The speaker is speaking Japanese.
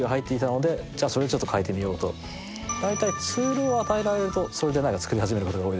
だいたいツールを与えられるとそれで何か作り始めることが多いです。